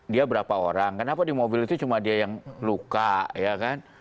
dia berapa orang kenapa di mobil itu cuma dia yang luka ya kan